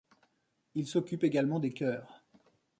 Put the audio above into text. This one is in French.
Il s'occupe également des chœurs.